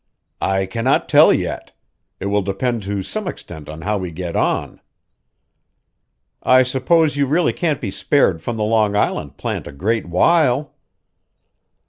"I cannot tell yet. It will depend to some extent on how we get on." "I suppose you really can't be spared from the Long Island plant a great while."